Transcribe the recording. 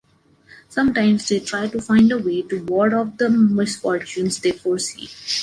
Sometimes they try to find a way to ward off the misfortunes they foresee.